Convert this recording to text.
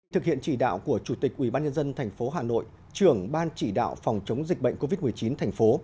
thực hiện chỉ đạo của chủ tịch ubnd tp hà nội trưởng ban chỉ đạo phòng chống dịch bệnh covid một mươi chín thành phố